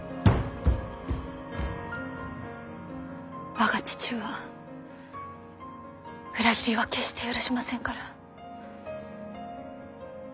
我が父は裏切りは決して許しませんから。